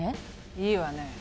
いいわね